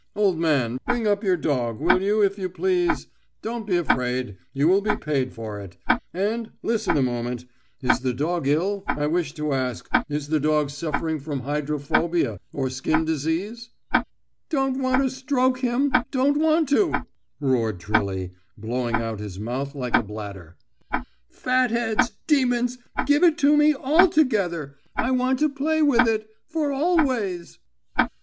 Old man, bring up your dog, will you, if you please. Don't be afraid, you will be paid for it. And, listen a moment is the dog ill? I wish to ask, is the dog suffering from hydrophobia or skin disease?" "Don't want to stroke him, don't want to," roared Trilly, blowing out his mouth like a bladder. "Fat heads! Demons! Give it to me altogether! I want to play with it.... For always."